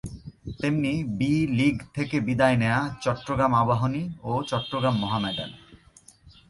তেমনি ‘‘B’’ league থেকে বিদায় নেয়া চট্টগ্রাম আবাহনী ও চট্টগ্রাম মোহামেডান।